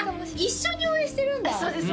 一緒に応援してるんだそうです